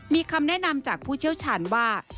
มีคำแนะนำจากผู้เชี่ยวชาญว่า